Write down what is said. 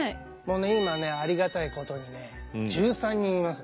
今ねありがたいことにね１３人います。